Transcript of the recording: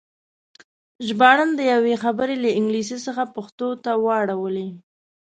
ژباړن د دوی خبرې له انګلیسي څخه پښتو ته واړولې.